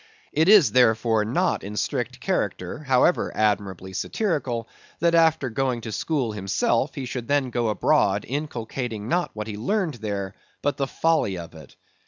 It is therefore not in strict character, however admirably satirical, that after going to school himself, he should then go abroad inculcating not what he learned there, but the folly of it.